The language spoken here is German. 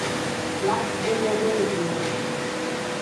Platz in der Bundesliga.